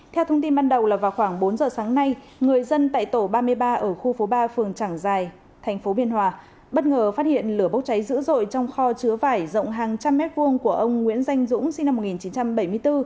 theo thông tin ban đầu là vào khoảng bốn giờ sáng nay người dân tại tổ ba mươi ba ở khu phố ba phường trảng giài thành phố biên hòa bất ngờ phát hiện lửa bốc cháy dữ dội trong kho chứa vải rộng hàng trăm mét vuông của ông nguyễn danh dũng sinh năm một nghìn chín trăm bảy mươi bốn